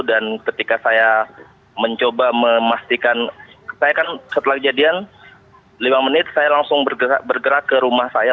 dan ketika saya mencoba memastikan saya kan setelah kejadian lima menit saya langsung bergerak ke rumah saya